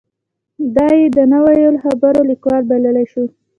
دای د نا ویلو خبرو لیکوال بللی شو.